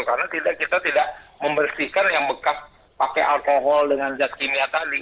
karena kita tidak membersihkan yang bekas pakai alkohol dengan zat kimia tadi